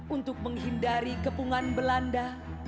untuk menghindari kepungan belanda